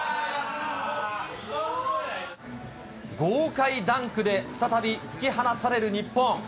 豪快ダンクで再び突き放される日本。